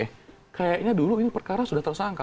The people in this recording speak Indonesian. eh kayaknya dulu ini perkara sudah tersangka